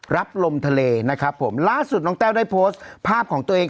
รับลมทะเลนะครับผมล่าสุดน้องแต้วได้โพสต์ภาพของตัวเอง